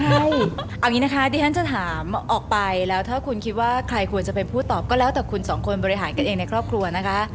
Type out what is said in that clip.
ใช่เอาอย่างนี้นะคะที่ฉันจะถามออกไปแล้วถ้าคุณคิดว่าใครควรจะเป็นผู้ตอบก็แล้วแต่คุณสองคนบริหารกันเองในครอบครัวนะคะ